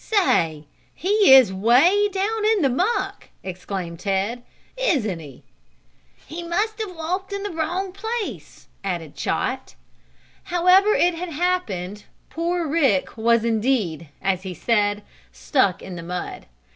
"Say, he is 'way down in the muck!" exclaimed Ted. "Isn't he?" "He must have walked in the wrong place," added Chot. However it had happened poor Rick was indeed, as he said, stuck in the mud.